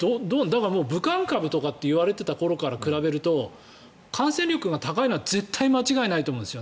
だから、武漢株とか言われていた時から比べると感染力が高いのは絶対間違いないと思うんです。